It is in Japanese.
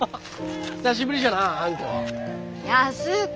久しぶりじゃなああんこ。